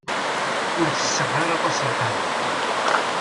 Ur tesseɣ ara aṭas lqahwa.